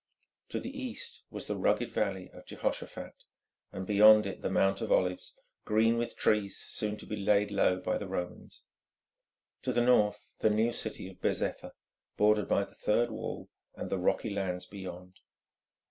To the east was the rugged valley of Jehoshaphat, and beyond it the Mount of Olives, green with trees soon to be laid low by the Romans. To the north the new city of Bezetha, bordered by the third wall and the rocky lands beyond.